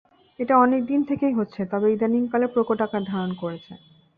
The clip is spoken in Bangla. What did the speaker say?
এটা অনেক দিন থেকেই হচ্ছে, তবে ইদানীংকালে প্রকট আকার ধারণ করেছে।